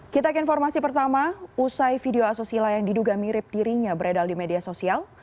kita ke informasi pertama usai video asusila yang diduga mirip dirinya beredar di media sosial